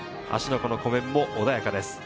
湖の湖面も穏やかです。